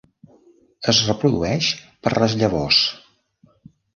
Es reprodueix per les llavors.